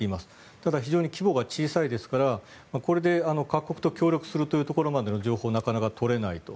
ただ、非常に規模が小さいですからこれで各国と協力するというところまでの情報をなかなか取れないと。